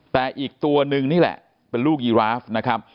แต่อีกตัวนึงนี่แหละเป็นลูกยีราฟนะครับ